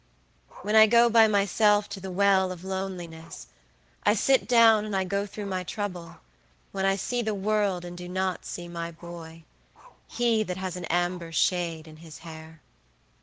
When I go by myself to the Well of Loneliness, I sit down and I go through my trouble; when I see the world and do not see my boy, he that has an amber shade in his hair.